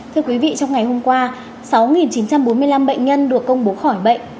thưa quý vị trong ngày hôm qua sáu chín trăm bốn mươi năm bệnh nhân được công bố khỏi bệnh